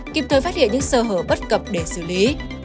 kịp thời phát hiện những sơ hở bất cập để xử lý